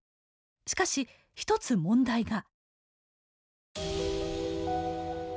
しかし一つ問題が。